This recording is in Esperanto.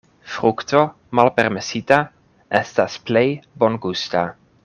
Frukto malpermesita estas plej bongusta.